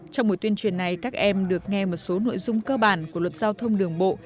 trong buổi tuyên truyền này các em được nghe một số nội dung cơ bản của luật giao thông đường bộ